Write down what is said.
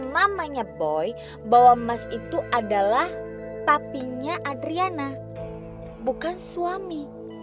namanya boy bahwa emas itu adalah tapinya adriana bukan suami